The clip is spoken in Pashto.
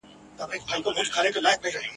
نه منګي ځي تر ګودره نه د پېغلو کتارونه ..